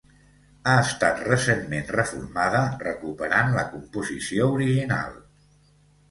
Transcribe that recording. Ha estat recentment reformada recuperant la composició original.